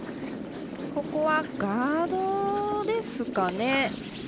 ここはガードですかね。